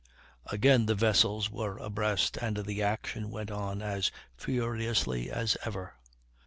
Again the vessels were abreast, and the action went on as furiously as ever.